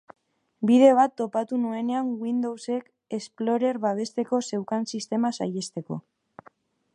Bide bat topatu nuenean Windowsek Explorer babesteko zeukan sistema saihesteko.